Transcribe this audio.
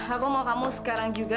aku mau kamu sekarang juga